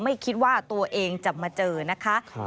ไม่คิดว่าตัวเองจะมาเจอนะคะ